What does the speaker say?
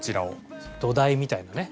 土台みたいなね。